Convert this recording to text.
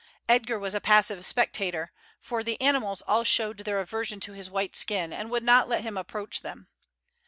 Edgar was a passive spectator, for the animals all showed their aversion to his white skin, and would not let him approach them.